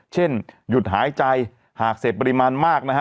หยุดหายใจหากเสพปริมาณมากนะฮะ